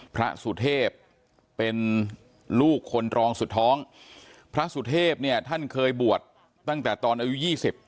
พระสุเทพเป็นลูกคนรองสุดท้องพระสุเทพเนี่ยท่านเคยบวชตั้งแต่ตอนอายุยี่สิบ